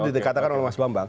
tadi dikatakan oleh mas bambang